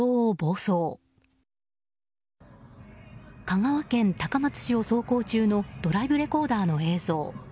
香川県高松市を走行中のドライブレコーダーの映像。